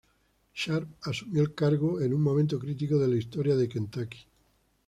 Sharp asumió el cargo en un momento crítico de la historia de Kentucky.